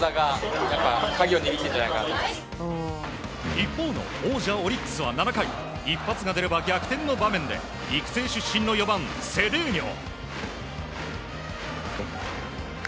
一方の王者オリックスは７回一発が出れば逆転の場面で育成出身の４番、セデーニョ。